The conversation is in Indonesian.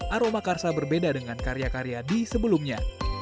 aroma karsa berbeda dengan karya karya di sebelumnya